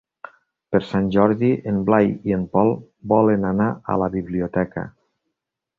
Per Sant Jordi en Blai i en Pol volen anar a la biblioteca.